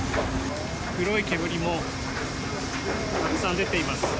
黒い煙もたくさん出ています。